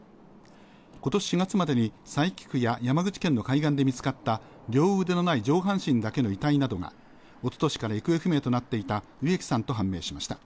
今年４月までに佐伯区や山口県の海岸で見つかった両腕のない上半身だけの遺体などがおととしから行方不明となっていた植木さんと判明しました。